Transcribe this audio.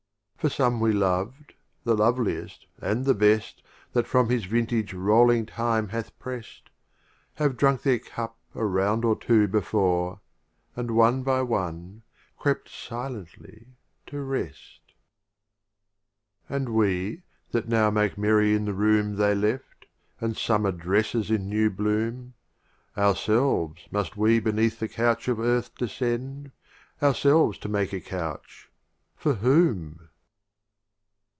XXII. For some we loved, the loveliest and the best That from his Vintage rolling Time hath prest, Have drunk their Cup a Round or two before, And one by one crept silently to rest. XXIII. And we, that now make merry in the Room They left, and Summer dresses in new bloom, Ourselves must we beneath the Couch of Earth Descend — ourselves to make a Couch — for whom?